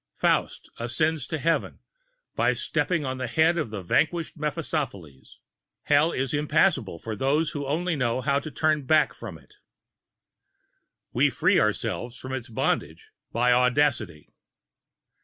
Faust ascends to Heaven, by stepping on the head of the vanquished Mephistopheles. Hell is impassable for those only who know not how to turn back from it. We free ourselves from its bondage by audacity.